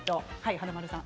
華丸さん？